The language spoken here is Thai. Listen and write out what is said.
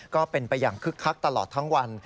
ก็เป็นไปอย่างคึกคักตลอดทั้งวัน